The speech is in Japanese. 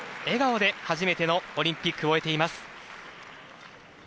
笑顔で初めてのオリンピックを終えています。